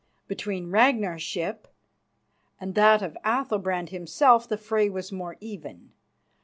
Between Ragnar's ship and that of Athalbrand himself the fray was more even.